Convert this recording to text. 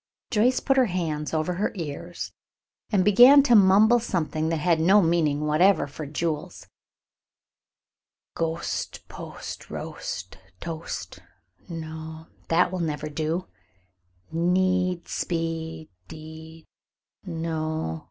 Joyce put her hands over her ears and began to mumble something that had no meaning whatever for Jules: "Ghost post roast toast, no that will never do; need speed deed, no!